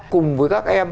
cùng với các em